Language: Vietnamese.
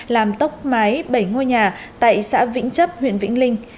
làm tốc mái bảy ngôi nhà tại xã vĩnh chấp huyện vĩnh linh